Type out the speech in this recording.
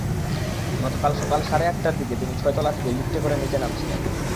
গতকাল সকাল সাড়ে আটটার দিকে তিনি ছয়তলা থেকে লিফটে করে নিচে নামছিলেন।